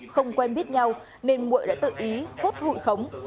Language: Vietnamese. không quen biết nhau nên mụy đã tự ý hốt hụi khống